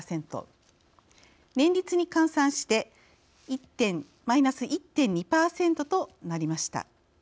年率に換算してマイナス１．２％となりました。